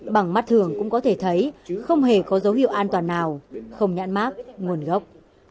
bằng mắt thường cũng có thể thấy không hề có dấu hiệu an toàn nào không nhãn mát nguồn gốc